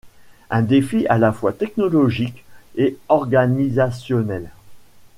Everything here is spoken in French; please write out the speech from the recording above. Un défi à la fois technologique et organisationnel.